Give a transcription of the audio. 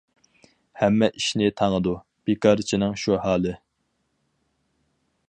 ھەممە ئىشنى تاڭىدۇ، بىكارچىنىڭ شۇ ھالى.